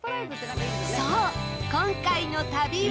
そう今回の旅は。